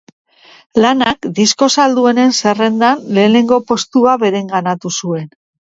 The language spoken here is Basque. Lanak disko salduenen zerrendan lehenengo postua bereganatu zuen.